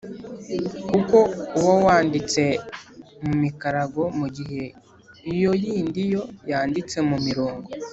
kuko uba wanditse mu mikarago mu gihe iyo yindi yo yanditse mu mirongo.